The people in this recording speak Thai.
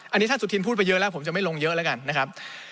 อันนี้ท่านสุธินพูดไปเยอะแล้วผมจะไม่ลงเยอะแล้วกันนะครับ